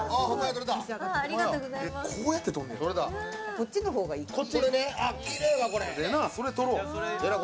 こっちの方がいいかな。